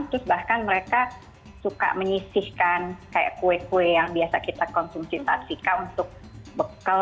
terus bahkan mereka suka menyisihkan kayak kue kue yang biasa kita konsumsi saat fika untuk bekal